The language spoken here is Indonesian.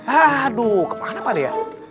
aduh kemana pak deh ya